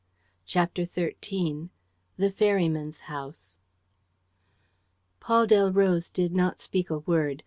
CHAPTER XIII THE FERRYMAN'S HOUSE Paul Delroze did not speak a word.